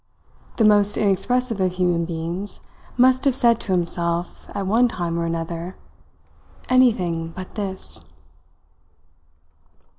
The most inexpressive of human beings must have said to himself, at one time or another: "Anything but this!"